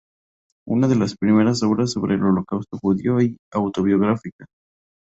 Una de las primeras obras sobre el Holocausto judío y autobiográfica.